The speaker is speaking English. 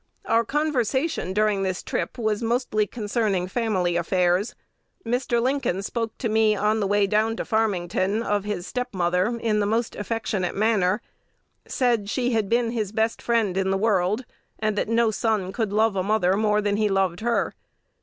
"Our conversation during the trip was mostly concerning family affairs. Mr. Lincoln spoke to me on the way down to Farmington of his step mother in the most affectionate manner; said she had been his best friend in the world, and that no son could love a mother more than he loved her.